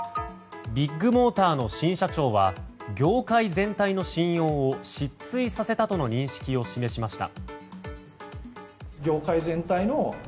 ビッグモーターの新社長は業界全体の信用を失墜させたとの認識を示しました。